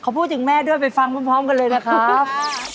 เขาพูดถึงแม่ด้วยไปฟังพร้อมกันเลยนะครับ